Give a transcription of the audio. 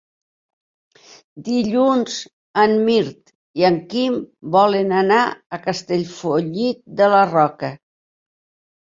Dilluns en Mirt i en Quim volen anar a Castellfollit de la Roca.